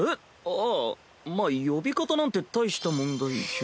ああまあ呼び方なんて大した問題じゃ。